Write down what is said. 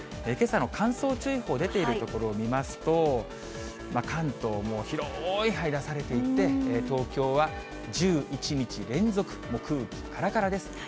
けさの乾燥注意報出ている所を見ますと、関東も広い範囲で出されていて、東京は１１日連続、空気からからです。